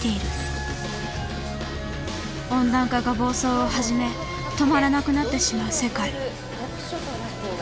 温暖化が暴走を始め止まらなくなってしまう世界。